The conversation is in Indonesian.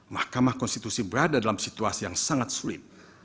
mahkamah konstitusi berada dalam situasi yang sangat sulit